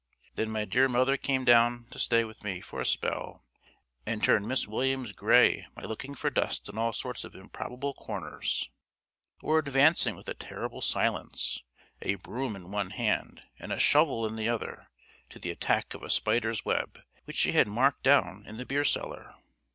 Then my dear mother came down to stay with me for a spell, and turned Miss Williams gray by looking for dust in all sorts of improbable corners; or advancing with a terrible silence, a broom in one hand and a shovel in the other, to the attack of a spider's web which she had marked down in the beer cellar.